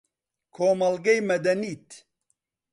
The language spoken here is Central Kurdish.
کۆمەڵگەی مەدەنیت